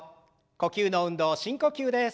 呼吸の運動深呼吸です。